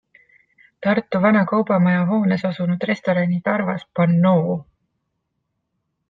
Tartu vana kaubamaja hoones asunud restorani Tarvas pannoo.